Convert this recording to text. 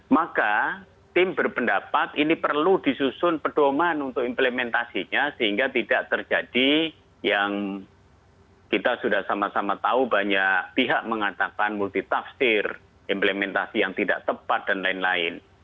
maka tim berpendapat ini perlu disusun pedoman untuk implementasinya sehingga tidak terjadi yang kita sudah sama sama tahu banyak pihak mengatakan multitafsir implementasi yang tidak tepat dan lain lain